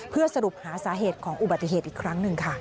เพื่อสรุปหาสาเหตุของอุบัติเหตุอีกครั้งหนึ่งค่ะ